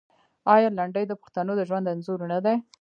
آیا لنډۍ د پښتنو د ژوند انځور نه دی؟